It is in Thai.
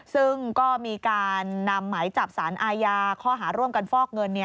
ซึ่งก็มีการนำหมายจับสารอาญาข้อหาร่วมกันฟอกเงิน